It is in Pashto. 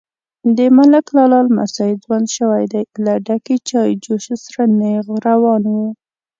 _د ملک لالا لمسی ځوان شوی دی، له ډکې چايجوشې سره نيغ روان و.